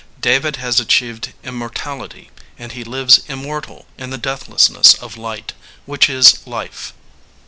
David has achieved immortality, and he lives immortal in the deathlessness of light which is life.'